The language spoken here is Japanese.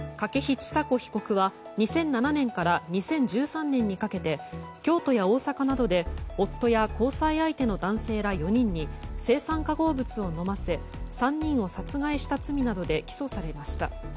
筧千佐子被告は、２００７年から２０１３年にかけて京都や大阪などで夫や交際相手の男性ら４人に青酸化合物を飲ませ３人を殺害した罪などで起訴されました。